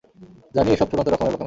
Johnny, এসব চূড়ান্ত রকমের বোকামি।